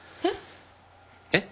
えっ？